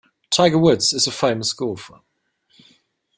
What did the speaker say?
Tiger Woods is a famous golfer.